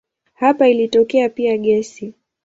Hapa ilitokea pia gesi.